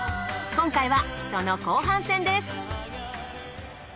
今回はその後半戦です。